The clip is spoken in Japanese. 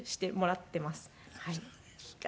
そうですか。